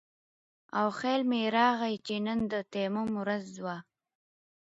او خيال مې راغے چې نن د تيمم ورځ وه